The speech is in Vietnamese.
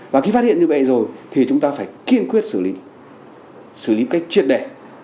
và khi phát hiện như vậy rồi thì chúng ta phải kiên quyết xử lý xử lý một cách triệt đề